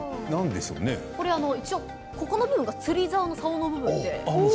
一応、ここの部分が釣りざおの、さおの部分で。